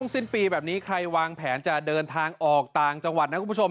สิ้นปีแบบนี้ใครวางแผนจะเดินทางออกต่างจังหวัดนะคุณผู้ชม